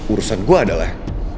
urusan gue adalah